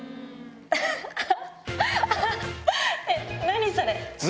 何それ。